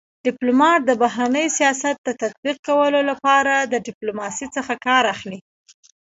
ډيپلومات دبهرني سیاست د تطبيق کولو لپاره د ډيپلوماسی څخه کار اخلي.